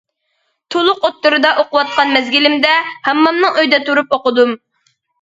تولۇق ئوتتۇرىدا ئوقۇۋاتقان مەزگىلىمدە، ھاممامنىڭ ئۆيىدە تۇرۇپ ئوقۇدۇم.